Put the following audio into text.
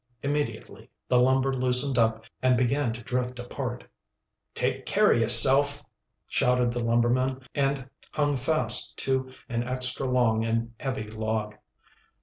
Immediately the lumber loosened up and began to drift apart. "Take care a' yerself!" shouted the lumberman, and hung fast to an extra long and heavy log.